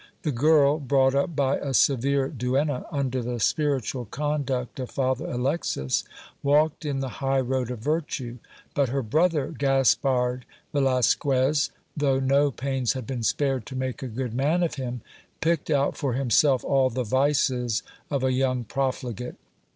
The girl, brought up by a severe duenna, under the spi ritual conduct of Father Alexis, walked in the high road of virtue ; but her brother, Gaspard Velasquez, though no pains had been spared to make a good man of him, picked out for himself all the vices of a young profligate.